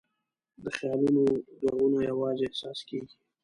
د خیالونو ږغونه یواځې احساس کېږي.